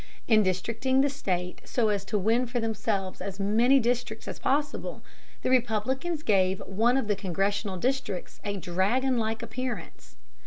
In districting the state so as to win for themselves as many districts as possible, the Republicans gave one of the Congressional districts a dragon like appearance.